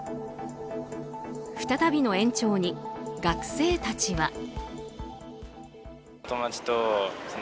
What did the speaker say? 再びの延長に学生たちは。